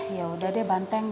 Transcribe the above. ya udah deh banteng